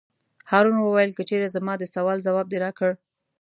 هارون وویل: که چېرې زما د سوال ځواب دې راکړ.